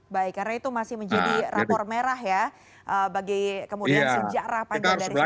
baik karena itu masih menjadi rapor merah ya bagi kemudian sejarah panjang dari sana